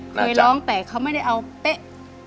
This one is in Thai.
เคยร้องแต่เขาไม่ได้เอาเป๊ะ